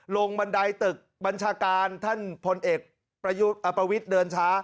บันไดตึกบัญชาการท่านพลเอกประวิทย์เดินช้า